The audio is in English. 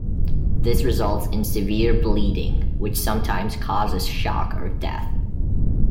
This results in severe bleeding, which sometimes causes shock or death.